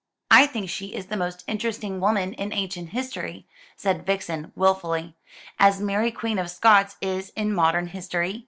"I think she is the most interesting woman in ancient history," said Vixen wilfully, "as Mary Queen of Scots is in modern history.